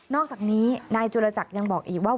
อกจากนี้นายจุลจักรยังบอกอีกว่า